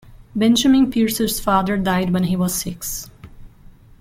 Benjamin Pierce's father died when he was six.